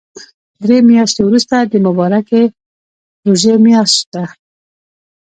دري مياشتی ورسته د مبارکی ژوری مياشت ده